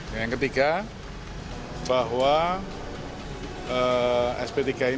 yang ketiga bahwa sp tiga ini sudah dikeluarkan